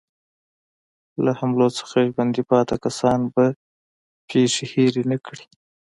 له حملو څخه ژوندي پاتې کسان به پېښې هېرې نه کړي.